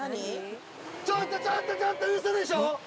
ちょっと、ちょっと、ちょっと、うそでしょ？